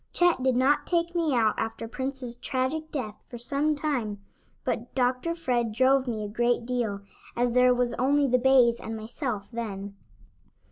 Chet did not take me out after Prince's tragic death for some time, but Dr. Fred drove me a great deal, as there was only the bays and myself then.